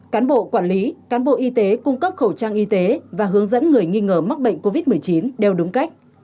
cán bộ quản lý cán bộ y tế cung cấp khẩu trang y tế và hướng dẫn người nghi ngờ mắc bệnh covid một mươi chín theo đúng cách